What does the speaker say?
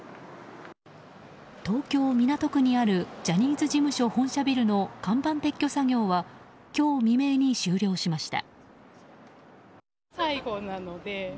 東京・港区にあるジャニーズ事務所本社ビルの看板撤去作業は今日未明に終了しました。